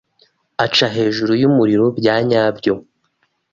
aca hejuru y’umuriro byanyabyo